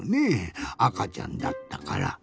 あかちゃんだったから。